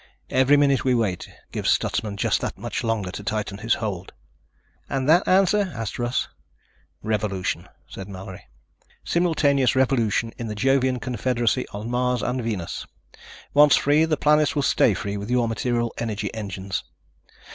Every minute we wait gives Stutsman just that much longer to tighten his hold." "And that answer?" asked Russ. "Revolution," said Mallory. "Simultaneous revolution in the Jovian confederacy, on Mars and Venus. Once free, the planets will stay free with your material energy engines.